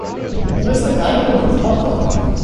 Who is the guy who wants popcorn?